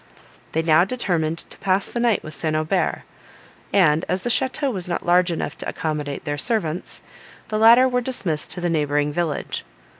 They now determined to pass the night with St. Aubert; and as the château was not large enough to accommodate their servants, the latter were dismissed to the neighbouring village.